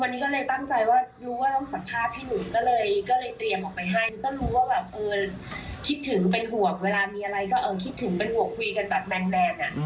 วันนี้ก็เลยตั้งใจว่ารู้ว่าต้องสัมภาษณ์พี่หนุ่ม